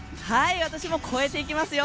私も超えていきますよ。